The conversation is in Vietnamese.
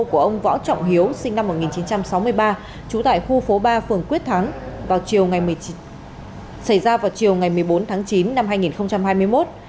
của ông võ trọng hiếu sinh năm một nghìn chín trăm sáu mươi ba trú tại khu phố ba phường quyết thắng xảy ra vào chiều một mươi bốn tháng chín năm hai nghìn hai mươi một